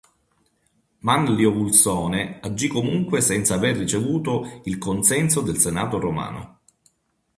Manlio Vulsone agì comunque senza aver ricevuto il consenso del Senato romano.